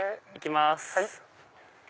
行きます。